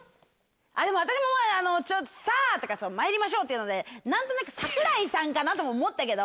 あっでも私も「さぁ」とか「まいりましょう」っていうので何となく櫻井さんかなとも思ったけど。